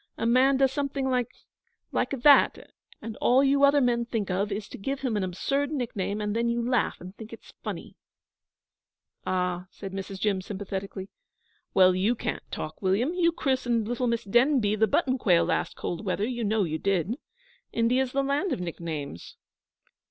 'A man does something like like that and all you other men think of is to give him an absurd nickname, and then you laugh and think it's funny.' 'Ah,' said Mrs. Jim, sympathetically. 'Well, you can't talk, William. You christened little Miss Demby the Button quail last cold weather; you know you did. India's the land of nicknames.'